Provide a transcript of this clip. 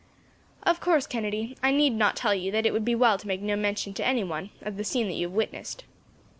"Of course, Kennedy, I need not tell you that it would be well to make no mention, to anyone, of the scene that you have witnessed."